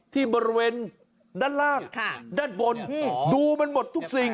ที่บริเวณด้านล่างด้านบนดูมันหมดทุกสิ่ง